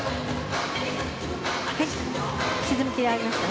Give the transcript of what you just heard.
沈みきりがありました。